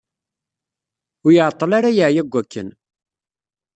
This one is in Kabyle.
Ur iɛeṭṭel ara yeɛya deg akken.